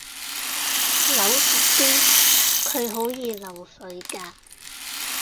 扭實啲，佢好易漏水㗎